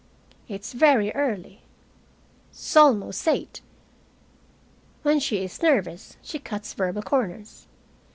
"It's very early." "S'almost eight." When she is nervous she cuts verbal corners.